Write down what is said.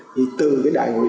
thì từ đại hội sáu